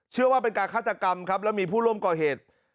เชื่อว่าเป็นการฆาตกรรมครับแล้วมีผู้ร่วมก่อเหตุ